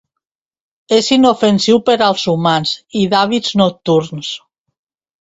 És inofensiu per als humans i d'hàbits nocturns.